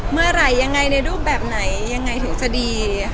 เมื่อไหร่ยังไงในรูปแบบไหนยังไงถึงจะดี